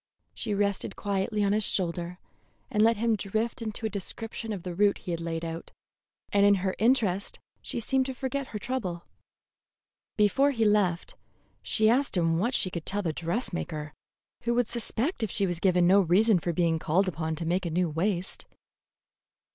She rested quietly on his shoulder and let him drift into a description of the route he had laid out, and in her interest she seemed to forget her trouble. Before he left, she asked him what she could tell the dressmaker, who would suspect if she was given no reason for being called upon to make a new waist.